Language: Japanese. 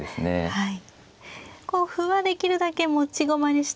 はい。